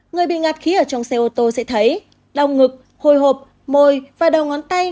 người bị ngạt khí ở trong xe ô tô sẽ thấy đau ngực hồi hộp mồi và đầu ngón tay